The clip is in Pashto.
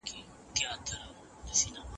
فارمسي پوهنځۍ په ناڅاپي ډول نه انتقالیږي.